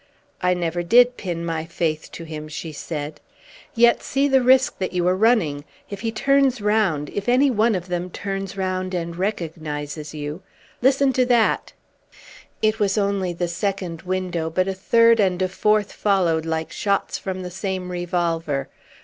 "I never did pin my faith to him," said she. "Yet see the risk that you are running! If he turns round if any one of them turns round and recognizes you listen to that!" It was only the second window, but a third and a fourth followed like shots from the same revolver.